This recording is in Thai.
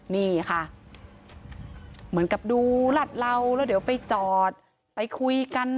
นี่ค่ะเหมือนกับดูรัดเราแล้วเดี๋ยวไปจอดไปคุยกัน